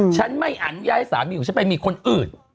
ฉันไม่อนุญาตสามีอยู่ฉันไปมีคนอื่น